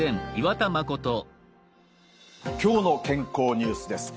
「きょうの健康ニュース」です。